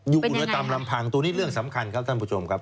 อุณกรรมลำพังตัวนี้เรื่องสำคัญครับท่านผู้ชมครับ